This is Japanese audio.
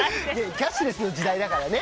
キャッシュレスの時代だからね。